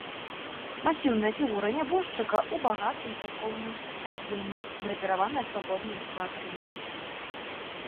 Масіўная фігура нябожчыка у багатым царкоўным адзенні, драпіраваным свабоднымі складкамі.